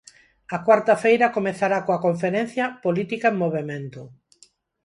A cuarta feira comezará coa conferencia "Política en movemento".